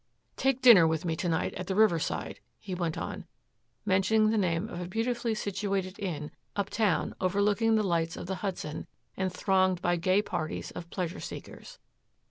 "Take dinner with me to night at the Riverside," he went on, mentioning the name of a beautifully situated inn uptown overlooking the lights of the Hudson and thronged by gay parties of pleasure seekers.